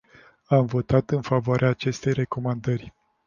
Am votat în favoarea acestei recomandări.